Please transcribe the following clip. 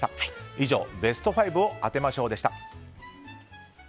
以上ベスト５を当てましょうでした。